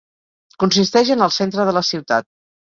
Consisteix en el centre de la ciutat.